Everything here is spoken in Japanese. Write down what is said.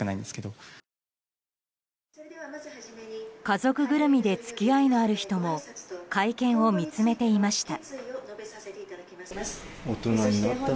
家族ぐるみで付き合いのある人も会見を見つめていました。